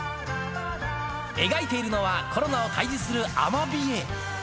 描いているのはコロナを退治するアマビエ。